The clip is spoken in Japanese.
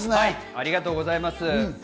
ありがとうございます。